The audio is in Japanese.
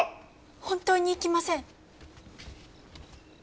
本当に行きません。